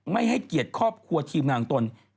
ไม่ให้เกียรติครอบครัวทีมงานตน